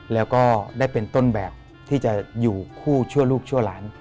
แล้วก็ได้เป็นต้นแบบที่จะอยู่คู่ชั่วลูกชั่วหลาน